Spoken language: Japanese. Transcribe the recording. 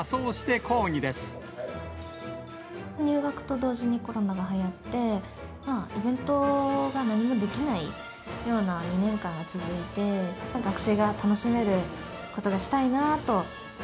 入学と同時にコロナがはやって、イベントが何もできないような２年間が続いて、学生が楽しめることがしたいなと。